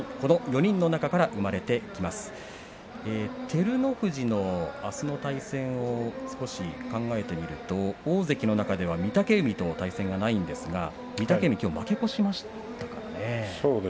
照ノ富士のあすの対戦を少し考えてみると大関の中では御嶽海との対戦がないんですが御嶽海はきょう負け越しましたからね。